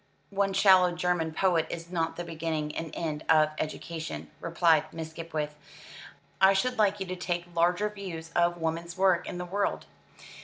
"One shallow German poet is not the beginning and end of education," replied Miss Skipwith. "I should like you to take larger views of woman's work in the world."